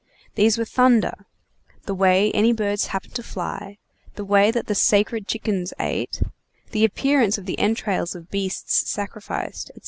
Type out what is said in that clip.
These were thunder; the way any birds happened to fly; the way that the sacred chickens ate; the appearance of the entrails of beasts sacrificed, etc.